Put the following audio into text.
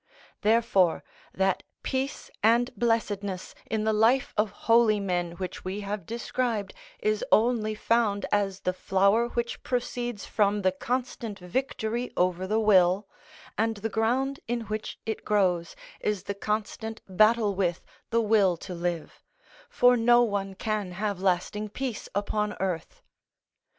Therefore that peace and blessedness in the life of holy men which we have described is only found as the flower which proceeds from the constant victory over the will, and the ground in which it grows is the constant battle with the will to live, for no one can have lasting peace upon earth.